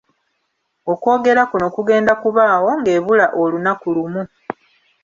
Okwogera kuno kugenda kubaawo ng’ebula olunaku lumu